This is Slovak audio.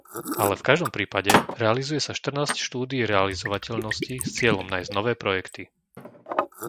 Ale v každom prípade, realizuje sa štrnásť štúdií realizovateľnosti s cieľom nájsť nové projekty.